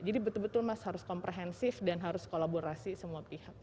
jadi betul betul mas harus komprehensif dan harus kolaborasi semua pihak